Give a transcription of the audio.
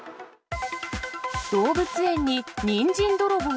動物園にニンジン泥棒。